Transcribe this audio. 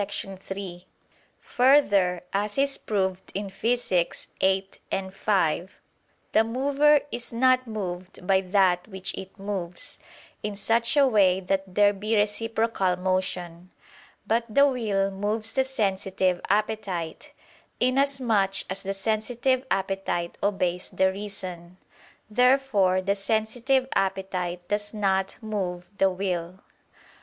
3: Further, as is proved in Phys. viii, 5, the mover is not moved by that which it moves, in such a way that there be reciprocal motion. But the will moves the sensitive appetite, inasmuch as the sensitive appetite obeys the reason. Therefore the sensitive appetite does not move the will.